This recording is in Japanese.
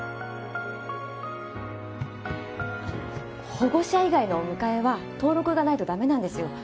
保護者以外のお迎えは登録がないとダメなんですよ